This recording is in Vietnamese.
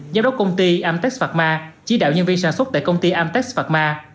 giám đốc công ty amtex pharma chỉ đạo nhân viên sản xuất tại công ty amtex pharma